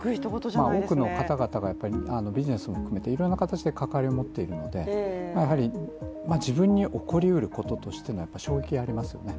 多くの方々がビジネスを含めていろいろな形で関わりを持っているので自分に起こりうることとして衝撃はありますよね。